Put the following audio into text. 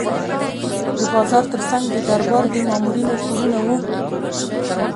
د بازار ترڅنګ د دربار د مامورینو کورونه وو.